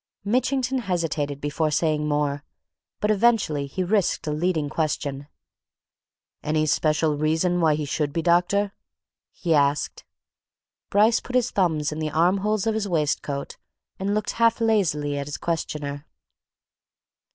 Mitchington hesitated before saying more. But eventually he risked a leading question. "Any special reason why he should be, doctor?" he asked. Bryce put his thumbs in the armholes of his waistcoat and looked half lazily at his questioner.